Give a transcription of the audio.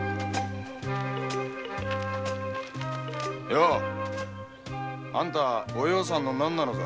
ようあんたお葉さんの何なのさ！